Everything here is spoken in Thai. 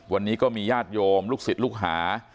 วันนี้ก็มีญาติโยมลูกศิษย์ลูกหา